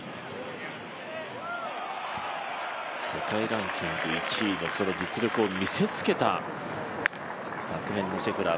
世界ランキング１位の実力を見せつけた昨年のシェフラー。